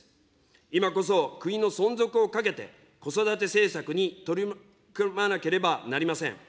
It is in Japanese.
今こそ国の存続をかけて、子育て政策に取り組まなければなりません。